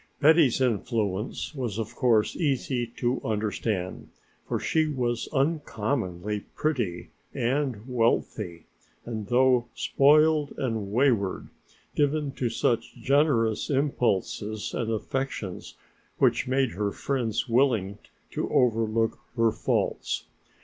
Betty's influence was of course easy to understand, for she was uncommonly pretty and wealthy, and though spoiled and wayward, given to sudden generous impulses and affections which made her friends willing to overlook her faults.